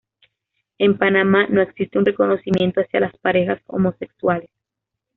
En Panamá no existe un reconocimiento hacia las parejas homosexuales.